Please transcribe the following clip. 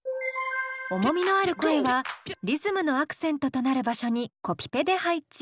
重みのある声はリズムのアクセントとなる場所にコピペで配置。